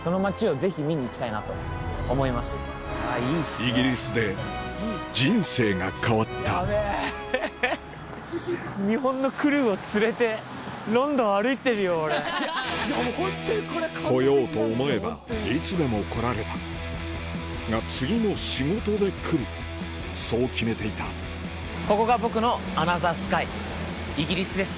イギリスで人生が変わった来ようと思えばいつでも来られたが次も仕事で来るそう決めていたここが僕のアナザースカイイギリスです。